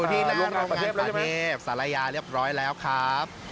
อยู่ที่หน้าโรงงานประเทศศาลายาเรียบร้อยแล้วครับ